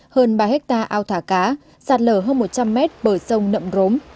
hơn ba hectare ao thả cá sạt lở hơn một trăm linh mét bờ sông nậm rốm